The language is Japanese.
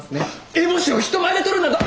烏帽子を人前で取るなどありえん！